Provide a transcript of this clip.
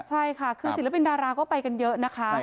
ใช่ค่ะคือศิลปินดาราก็ไปกันเยอะนะคะ